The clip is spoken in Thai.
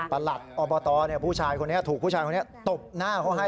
หลัดอบตผู้ชายคนนี้ถูกผู้ชายคนนี้ตบหน้าเขาให้